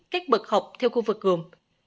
các bậc học theo khu vực gồm